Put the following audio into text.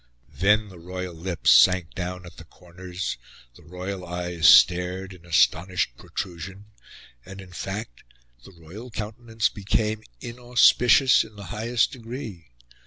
Then the royal lips sank down at the corners, the royal eyes stared in astonished protrusion, and in fact, the royal countenance became inauspicious in the highest degree.